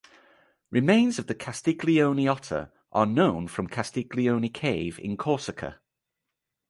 Remains of the Castiglione otter are known from Castiglione Cave in Corsica.